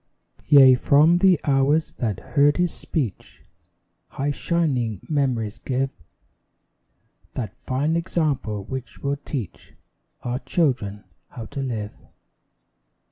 Yea, from the hours that heard his speech High shining mem'ries give That fine example which will teach Our children how to live.